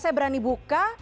saya berani buka